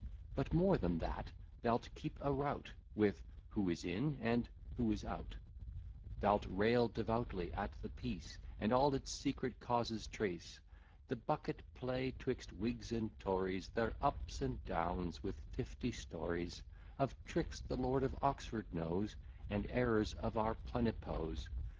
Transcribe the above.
But, more than that, thou'lt keep a rout, With who is in and who is out; Thou'lt rail devoutly at the peace, And all its secret causes trace, The bucket play 'twixt Whigs and Tories, Their ups and downs, with fifty stories Of tricks the Lord of Oxford knows, And errors of our plenipoes.